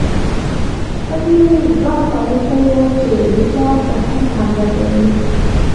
په دې یې ځان قانع کړی وو چې روسان پر هند حمله کوي.